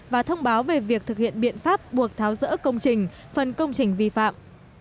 và thông báo về việc thực hiện biện pháp buộc tháo rỡ công trình phần công trình vi phạm